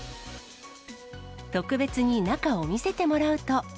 特別に中を見せてもらうと。